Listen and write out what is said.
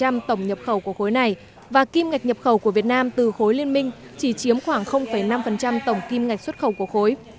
tổng nhập khẩu của khối này và kim ngạch nhập khẩu của việt nam từ khối liên minh chỉ chiếm khoảng năm tổng kim ngạch xuất khẩu của khối